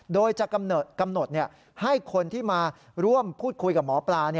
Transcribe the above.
โดยจะกำหนดให้คนที่มาร่วมพูดคุยกับหมอปลา